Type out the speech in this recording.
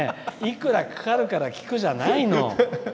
あのね、いくらかかるから聴くじゃないの。